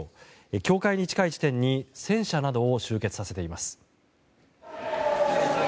境界に近い地点に戦車などを集結させています。